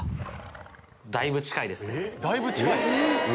だいぶ近い？